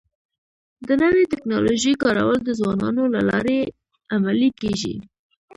د نوې ټکنالوژۍ کارول د ځوانانو له لارې عملي کيږي.